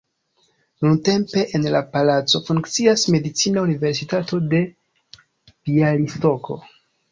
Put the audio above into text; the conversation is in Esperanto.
Nuntempe en la palaco funkcias Medicina Universitato en Bjalistoko.